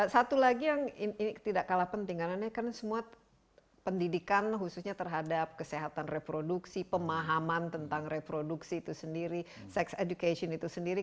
satu lagi yang ini tidak kalah penting karena semua pendidikan khususnya terhadap kesehatan reproduksi pemahaman tentang reproduksi itu sendiri sex education itu sendiri